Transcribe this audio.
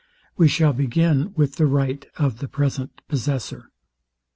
We shall begin with the right of the present possessor.